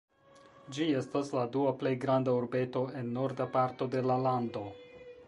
Ĝi estas la dua plej granda urbeto en norda parto de la lando.